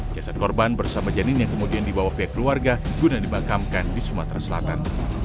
jasad korban bersama janin yang kemudian dibawa pihak keluarga guna dimakamkan di sumatera selatan